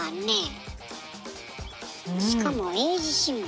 しかも英字新聞。